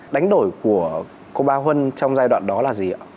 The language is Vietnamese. đánh đổi của cô ba huân trong giai đoạn đó là gì ạ